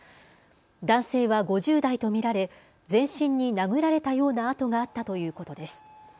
男性は５０代と見られ全身に殴られたような痕があったということです。